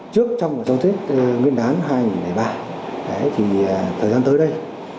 trước trong dòng thiết nguyên đáng hai nghìn một mươi ba thì thời gian tới đây